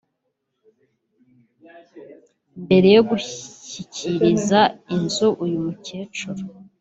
Mbere yo gushyikiriza inzu uyu mukecuru